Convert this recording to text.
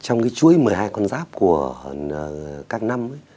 trong cái chuối một mươi hai con giáp của các năm